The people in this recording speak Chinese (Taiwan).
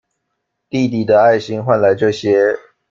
弟弟的愛心換來這些